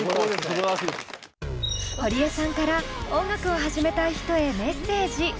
堀江さんから音楽を始めたい人へメッセージ。